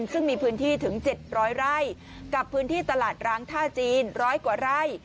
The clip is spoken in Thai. ซึ่งมีพื้นที่ถึง๗๐๐ไร่กับพื้นที่ตลาดร้างท่าจีน๑๐๐กว่าไร่